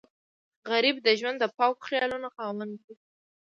غریب د ژوند د پاکو خیالونو خاوند وي